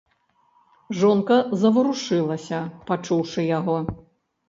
Жонка заварушылася, пачуўшы яго.